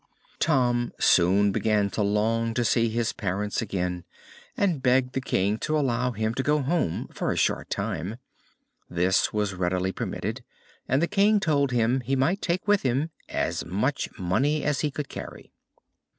Tom soon began to long to see his parents again, and begged the King to allow him to go home for a short time. This was readily permitted, and the King told him he might take with him as much money as he could carry.